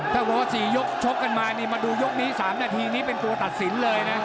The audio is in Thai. ถ้าว่าสี่ยกชกกันมามาดูยกนี้สามนาทีนี้เป็นตัวตัดสินเลยนะ